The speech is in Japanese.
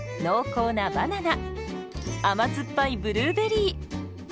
甘酸っぱいブルーベリー。